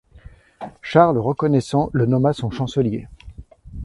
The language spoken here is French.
Charles reconnaissant le nomma son chancelier.